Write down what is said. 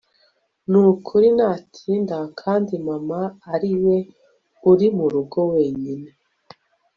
nukuri natinda kandi mama ariwe uri murugo wenyine